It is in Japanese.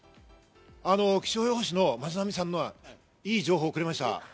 気象予報士の松並さんが良い情報くれました。